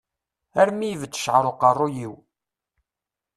Armi ibedd ccεer uqerru-iw.